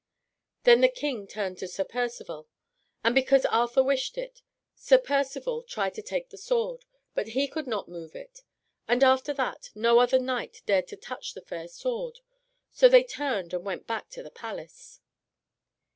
Then the King turned to Sir Percivale. And because Arthur wished it, Sir Percivale tried to take the sword; but he could not move it. And after that no other knight dared to touch the fair sword; so they turned and went back to the palace.